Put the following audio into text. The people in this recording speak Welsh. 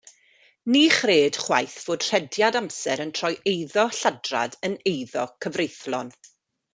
Ni chred chwaith fod rhediad amser yn troi eiddo lladrad yn eiddo cyfreithlon.